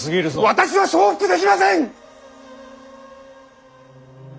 私は承服できません！